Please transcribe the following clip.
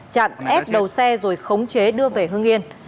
chặn ép đầu xe rồi khống chế đưa về hương yên